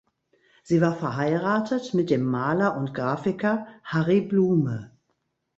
Sie war verheiratet mit dem Maler und Grafiker Harry Blume.